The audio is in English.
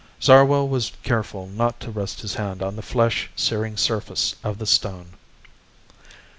Zarwell was careful not to rest his hand on the flesh searing surface of the stone.